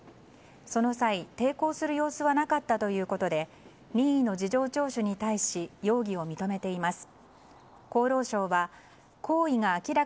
その際、抵抗する様子はなかったということで任意の事情聴取に対し容疑を認めています。